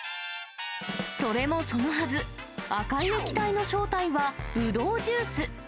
それもそのはず、赤い液体の正体はぶどうジュース。